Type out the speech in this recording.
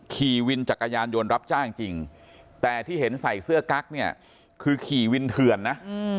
ขี่วินจักรยานยนต์รับจ้างจริงแต่ที่เห็นใส่เสื้อกั๊กเนี่ยคือขี่วินเถื่อนนะ